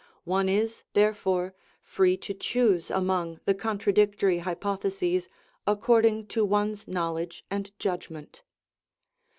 One is, therefore, free to choose among the contradic tory hypotheses according to one's knowledge and judgment.